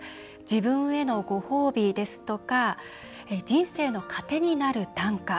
「自分へのご褒美です」とか「人生の糧になる短歌」。